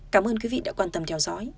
cảm ơn quý vị đã quan tâm theo dõi